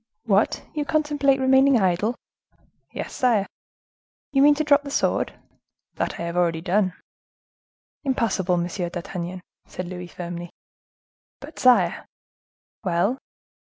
"What! you contemplate remaining idle?" "Yes, sire." "You mean to drop the sword?" "That I have already done." "Impossible, Monsieur d'Artagnan," said Louis, firmly. "But, sire—" "Well?"